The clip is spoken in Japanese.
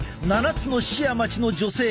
７つの市や町の女性